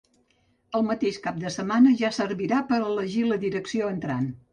El mateix cap de setmana ja servirà per a elegir la direcció entrant.